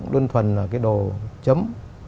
đơn thuần là cái đồ chấm